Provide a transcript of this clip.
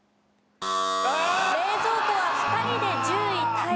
冷蔵庫は２人で１０位タイでした。